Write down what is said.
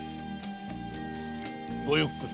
ごゆっくり。